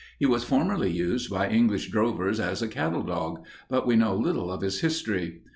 He was formerly used by English drovers as a cattle dog, but we know little of his history.